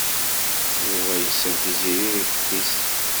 Yuba yessen Tiziri deg teftist.